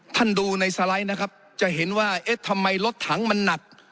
ดูในสไลด์นะครับจะเห็นว่าเอ๊ะทำไมรถถังมันหนัก